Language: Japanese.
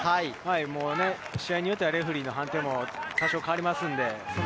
試合によってはレフェリーの判定も多少変わります。